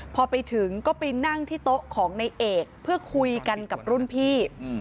พอไปถึงก็ไปนั่งที่โต๊ะของในเอกเพื่อคุยกันกับรุ่นพี่